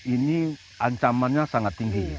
ini ancamannya sangat tinggi